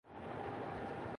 اگر تو تجربہ کامیاب رہا